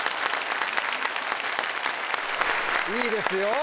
いいですよ。